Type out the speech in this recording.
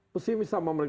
pesimis sama mereka